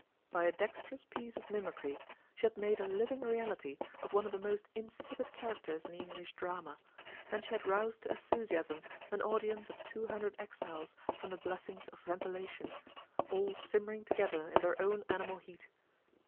By a dexterous piece of mimicry, she had made a living reality of one of the most insipid characters in the English drama; and she had roused to enthusiasm an audience of two hundred exiles from the blessings of ventilation, all simmering together in their own animal heat.